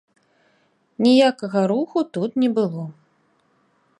Ніякага руху тут не было.